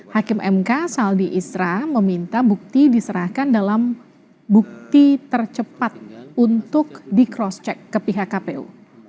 hakim mk saldi isra meminta bukti diserahkan dalam bukti tercepat untuk di cross check ke pihak kpu